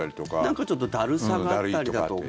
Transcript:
なんか、ちょっとだるさがあったりだとか。